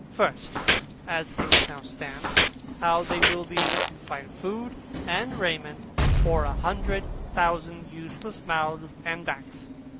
First, As things now stand, how they will be able to find food and raiment for a hundred thousand useless mouths and backs.